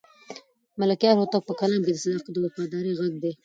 د ملکیار هوتک په کلام کې د صداقت او وفادارۍ غږ دی.